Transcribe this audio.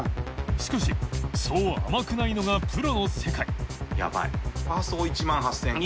磴靴そう甘くないのがプロの世界解説）